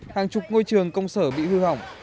hàng chục ngôi trường công sở bị hư hỏng